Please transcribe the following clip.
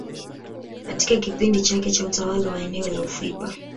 Katika kipindi chake cha utawala wa eneo la ufipa